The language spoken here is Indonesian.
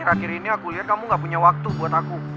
akhir akhir ini aku lihat kamu gak punya waktu buat aku